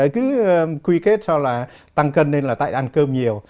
cứ quy kết sau là tăng cân nên là tại ăn cơm nhiều